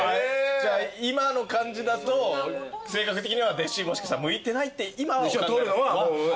じゃあ今の感じだと性格的には弟子もしかしたら向いてないって今はお考えですか？